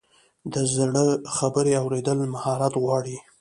د زړه خبرې اورېدل مهارت غواړي.